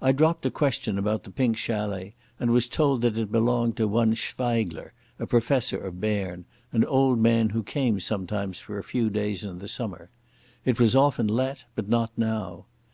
I dropped a question about the Pink Chalet, and was told that it belonged to one Schweigler, a professor of Berne, an old man who came sometimes for a few days in the summer. It was often let, but not now.